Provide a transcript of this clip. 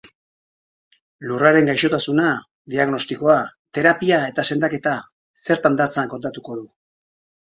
Lurraren gaixotasuna, diagnostikoa, terapia eta sendaketa zertan datzan kontatuko du.